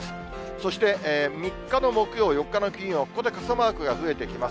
そして３日の木曜、４日の金曜、ここで傘マークが増えてきます。